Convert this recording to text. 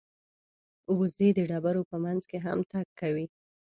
وزې د ډبرو په منځ کې هم تګ کوي